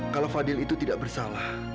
kalau fadil itu tidak bersalah